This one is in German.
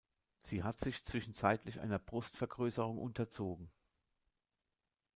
Sie hat sich zwischenzeitlich einer Brustvergrößerung unterzogen.